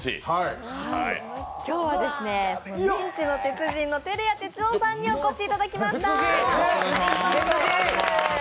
今日はメンチの鉄人の照屋哲男さんにお越しいただきました。